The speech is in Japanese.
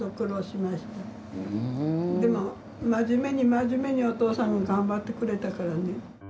でも真面目に真面目にお父さんが頑張ってくれたからね。